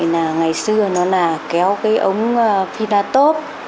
ngày xưa nó là kéo cái ống philatop